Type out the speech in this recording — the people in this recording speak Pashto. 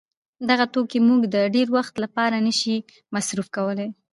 دغه توکي موږ د ډېر وخت له پاره نه سي مصروف کولای.